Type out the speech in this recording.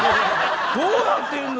どうなってるんだ。